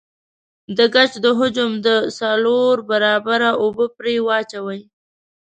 د ګچ د حجم د څلور برابره اوبه پرې واچوئ.